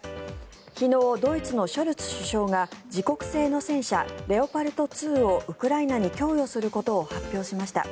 昨日、ドイツのショルツ首相が自国製の戦車レオパルト２をウクライナに供与することを発表しました。